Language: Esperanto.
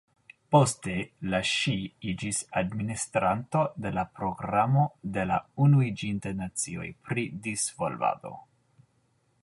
Poste, la ŝi iĝis administranto de la Programo de la Unuiĝintaj Nacioj pri Disvolvado.